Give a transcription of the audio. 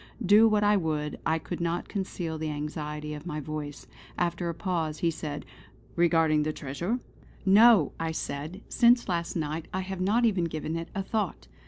Do what I would, I could not conceal the anxiety of my voice. After a pause he said: "Regarding the treasure?" "No!" said I: "Since last night I have not even given it a thought."